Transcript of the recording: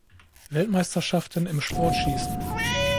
Weltmeisterschaften im Sportschießen.